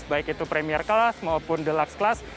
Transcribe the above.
baik itu premier kelas maupun deluxe class